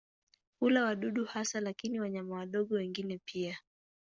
Hula wadudu hasa lakini wanyama wadogo wengine pia.